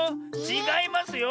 ちがいますよ。